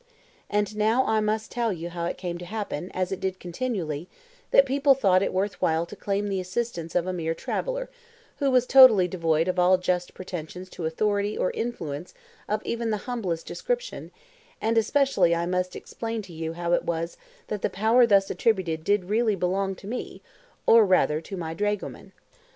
And now I must tell you how it came to happen, as it did continually, that people thought it worth while to claim the assistance of a mere traveller, who was totally devoid of all just pretensions to authority or influence of even the humblest description, and especially I must explain to you how it was that the power thus attributed did really belong to me, or rather to my dragoman.